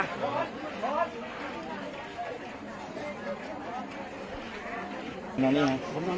ขอบคุณครับ